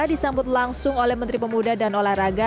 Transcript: disambut langsung oleh menteri pemuda dan olahraga